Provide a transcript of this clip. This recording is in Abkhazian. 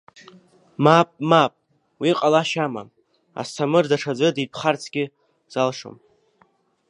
Мап, мап, уи ҟалашьа амам, Асҭамыр даҽаӡәы дитәхарцгьы залшом…